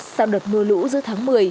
sau đợt mưa lũ giữa tháng một mươi